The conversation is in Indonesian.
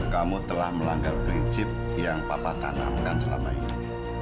kamu telah melanggar prinsip yang papa tanamkan selama ini